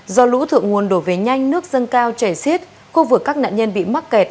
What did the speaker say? do lũ thượng nguồn đổ về nhanh nước dâng cao chảy xiết khu vực các nạn nhân bị mắc kẹt